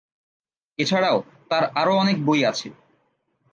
এছাড়াও তার আরও অনেক বই আছে।